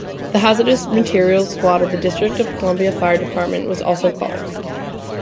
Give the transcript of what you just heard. The hazardous materials squad of the District of Columbia Fire Department was also called.